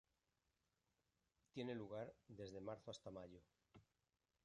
Tiene lugar desde marzo hasta mayo.